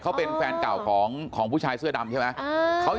ทางจีราภาเนี่ยเขาเป็นแฟนเก่าของผู้ชายเสื้อดำใช่ไหม